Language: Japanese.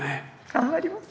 頑張ります。